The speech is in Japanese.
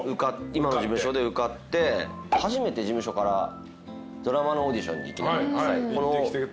今の事務所で受かって初めて事務所から「ドラマのオーディションに行きなさい」